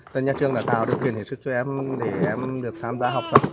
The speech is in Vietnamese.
thì nhà trường đã tạo được kiện thể sức cho em để em được tham gia học tập